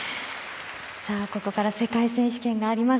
ここから世界選手権があります。